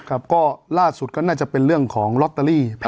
ก็ล่าสุดก็น่าจะเป็นเรื่องของลอตเตอรี่